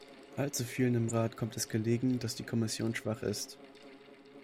Allzu vielen im Rat kommt es gelegen, dass die Kommission schwach ist.